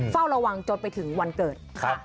เฝ้าระวังจนไปถึงวันเกิดค่ะ